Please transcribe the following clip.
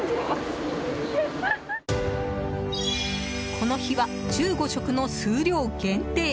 この日は１５食の数量限定